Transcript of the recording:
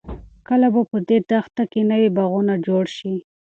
کله به په دې دښته کې نوې باغونه جوړ شي؟